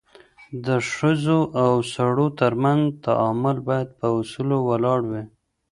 د ښځو او سړو ترمنځ تعامل بايد پر اصولو ولاړ وي.